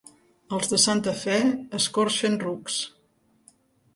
Els de Santa Fe escorxen rucs.